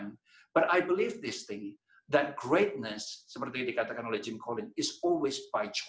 tetapi saya percaya bahwa kekecewaan seperti yang dikatakan oleh jim collins selalu berpilihan